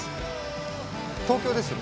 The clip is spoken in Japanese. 東京ですよね？